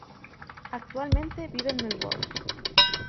Actualmente vive en Melbourne.